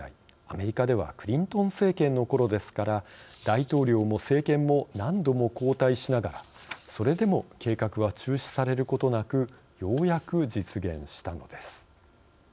アメリカではクリントン政権の頃ですから大統領も政権も何度も交代しながらそれでも計画は中止されることなくようやく実現したのです。